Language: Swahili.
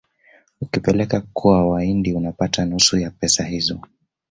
Ukipeleka kwa wahindi unapata nusu ya pesa hizo